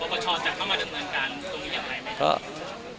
ประชาจะเข้ามาดำเนินการตรงนี้อย่างไรไหมครับ